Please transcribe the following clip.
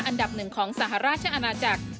อันดับ๑ของสหราชอาณาจักร